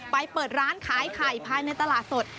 เปิดร้านขายไข่ภายในตลาดสด